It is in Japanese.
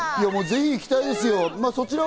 ぜひ行きたいですよ。